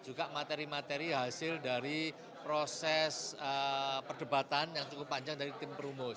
juga materi materi hasil dari proses perdebatan yang cukup panjang dari tim perumus